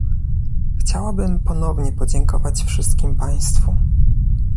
Chciałabym ponownie podziękować wszystkim państwu